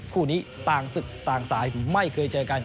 คู่นี้ต่างศึกต่างสายไม่เคยเจอกัน